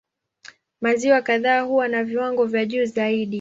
Maziwa kadhaa huwa na viwango vya juu zaidi.